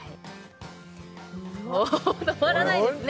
もう止まらないですね